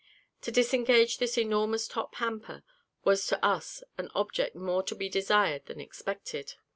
To disengage this enormous top hamper, was to us an object more to be desired than expected.